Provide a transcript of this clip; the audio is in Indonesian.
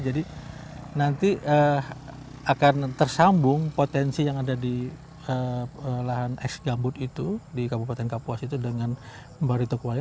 jadi nanti akan tersambung potensi yang ada di lahan es gambut itu di kabupaten kapuas itu dengan baritokuala